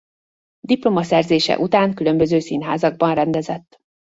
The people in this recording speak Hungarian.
Diplomaszerzése után különböző színházakban rendezett.